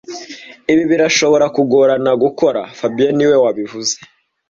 Ibi birashobora kugorana gukora fabien niwe wabivuze